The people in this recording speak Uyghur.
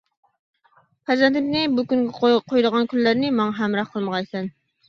پەرزەنتىمنى بۇ كۈنگە قويىدىغان كۈنلەرنى ماڭا ھەمراھ قىلمىغايسەن!